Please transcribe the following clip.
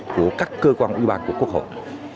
của các cơ quan ủy ban của quốc hội